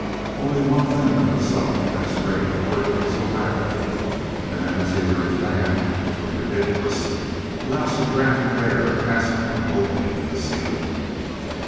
Only one thing could have sucked that straight upward so rapidly, and that was either a fan which was ridiculous or else a draught of air passing through an opening in the ceiling.